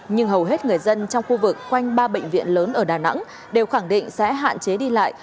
nhưng hầu hết người dân trong khu vực quanh ba bệnh viện lớn ở đà nẵng đều khẳng định sẽ hạn chế đi lại